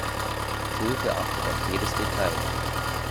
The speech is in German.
Schulte achtet auf jedes Detail.